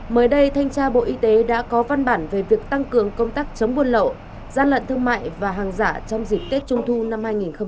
mới đây thanh tra bộ y tế đã có văn bản về việc tăng cường công tác chống buôn lậu gian lận thương mại và hàng giả trong dịp tết trung thu năm hai nghìn hai mươi